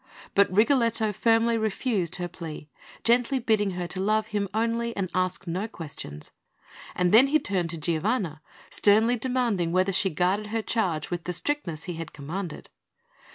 But Rigoletto firmly refused her plea, gently bidding her to love him only and ask no questions; and then he turned to Giovanna, sternly demanding whether she guarded her charge with the strictness he had commanded.